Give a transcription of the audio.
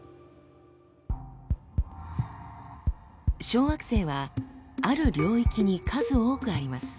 小惑星はある領域に数多くあります。